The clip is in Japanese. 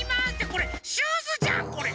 これシューズじゃんこれ！